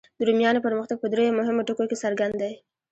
د رومیانو پرمختګ په دریو مهمو ټکو کې څرګند دی.